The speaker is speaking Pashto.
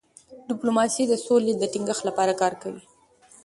ډيپلوماسي د سولې د ټینګښت لپاره کار کوي.